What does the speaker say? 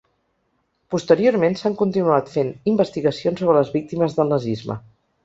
Posteriorment s’han continuant fent investigacions sobre les víctimes del nazisme.